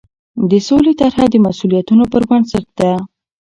د سولې طرحه د مسوولیتونو پر بنسټ ده.